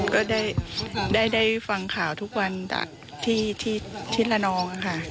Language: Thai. ก็ได้ได้ได้ฟังข่าวทุกวันที่ที่ที่ละนองค่ะ